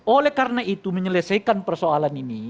oleh karena itu menyelesaikan persoalan ini